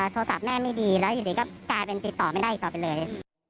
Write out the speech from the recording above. โทรศัพท์แม่ไม่ดีแล้วอยู่ดีก็กลายเป็นติดต่อไม่ได้อีกต่อไปเลย